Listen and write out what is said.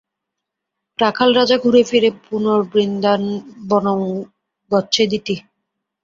রাখাল-রাজা ঘুরে ফিরে পুনর্বৃন্দাবনং গচ্ছেদিতি।